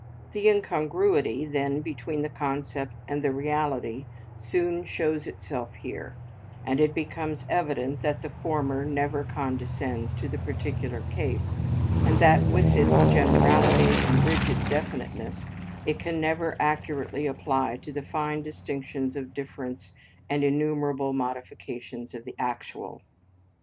The incongruity then between the concept and reality soon shows itself here, and it becomes evident that the former never condescends to the particular case, and that with its generality and rigid definiteness it can never accurately apply to the fine distinctions of difference and innumerable modifications of the actual.